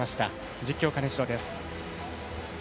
実況、金城です。